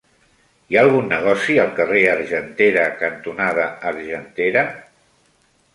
Hi ha algun negoci al carrer Argentera cantonada Argentera?